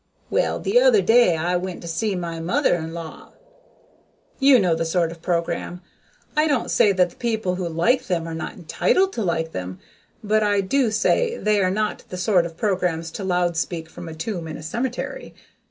Well, the other day I went to see my mother in law " You know the sort of program. I don't say that the people who like them are not entitled to them, but I do say they are not the sort of programs to loud speak from a tomb in a cemetery.